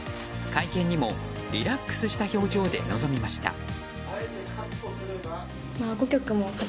会見にもリラックスした表情で臨みました。